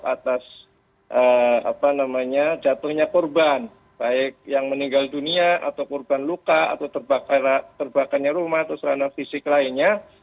atas jatuhnya korban baik yang meninggal dunia atau korban luka atau terbakarnya rumah atau serana fisik lainnya